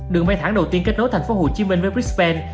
đường bay thẳng đầu tiên kết nối tp hcm với brisbane